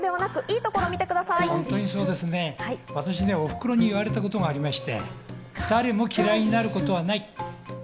私、おふくろに言われたことがありまして、誰も嫌いになることはない。